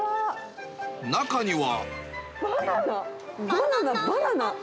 中には。